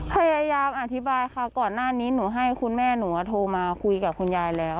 พยายามอธิบายค่ะก่อนหน้านี้หนูให้คุณแม่หนูโทรมาคุยกับคุณยายแล้ว